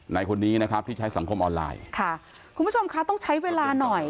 ในคนนี้นะครับที่ใช้สังคมออนไลน์ค่ะคุณผู้ชมคะต้องใช้เวลาหน่อย